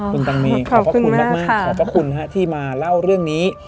คุณตังมีขอบคุณมากที่มาเล่าเรื่องนี้